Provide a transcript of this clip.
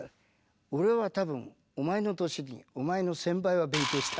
「俺は多分お前の歳にお前の１０００倍は勉強した」。